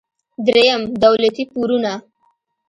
دریم: دولتي پورونه.